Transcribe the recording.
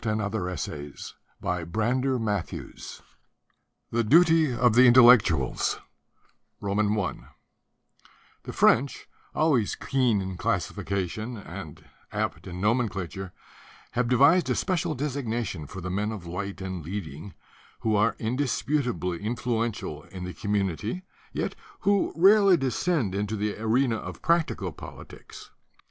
20 II THE DUTY OF THE INTELLECTUALS II THE DUTY OF THE INTELLECTUALS THE French, always keen in classification and apt in nomenclature, have devised a special designation for the men of light and leading, who are indisputably influential in the commu nity yet who rarely descend into the arena of practical politics.